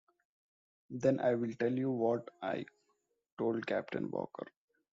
Then I will tell you what I told Captain Walker.